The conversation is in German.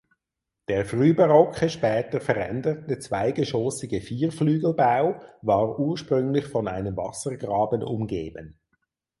Der frühbarocke später veränderte zweigeschoßige Vierflügelbau war ursprünglich von einem Wassergraben umgeben.